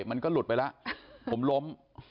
มันก็หลุดไปแล้วผมล้ม